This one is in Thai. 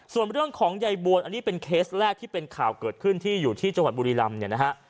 ส่วนเรื่องของยายบวนอันนี้เป็นเคสแรกที่เป็นข่าวเกิดขึ้นที่อยู่ที่จังหวัดบุรีรำเนี่ยนะฮะ